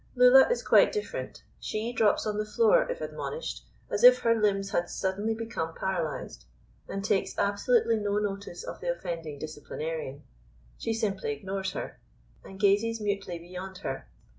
Lulla is quite different. She drops on the floor, if admonished, as if her limbs had suddenly become paralysed, and takes absolutely no notice of the offending disciplinarian. She simply ignores her, and gazes mutely beyond her.